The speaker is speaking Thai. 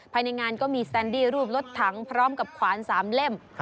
ภายในงานก็มีแซนดี้รูปรถถังพร้อมกับขวาน๓เล่ม